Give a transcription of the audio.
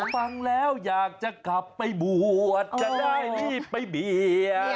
ฟังแล้วอยากจะกลับไปบวชจะได้รีบไปเบียร์